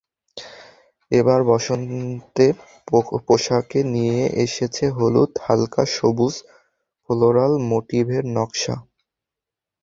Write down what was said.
এবার বসন্তে পোশাকে নিয়ে এসেছে হলুদ, হালকা সবুজ, ফ্লোরাল মোটিভের নকশা।